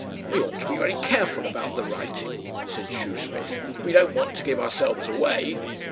"We ought to be very careful about the writing," said Shoesmith. "We don't want to give ourselves away."